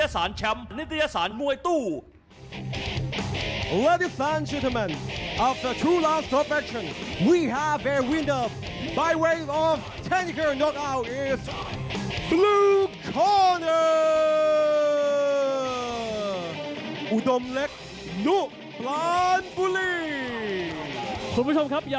สวัสดีครับวันนี้